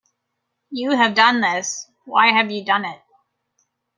You have done this? Why have you done it?